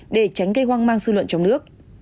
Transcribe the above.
để tránh gây hoang mang dư luận trong nước